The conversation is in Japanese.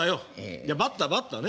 いやバッターバッターね。